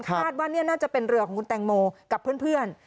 ว่านี่น่าจะเป็นเรือของคุณแตงโมกับเพื่อน